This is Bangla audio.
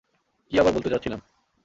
কী আবার বলতে চাচ্ছিলাম?